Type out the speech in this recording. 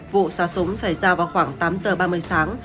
vụ xòa súng xảy ra vào khoảng tám h ba mươi sáng